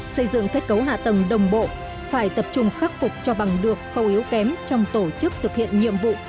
xây dựng kết cấu hạ tầng đồng bộ phải tập trung khắc phục cho bằng được khâu yếu kém trong tổ chức thực hiện nhiệm vụ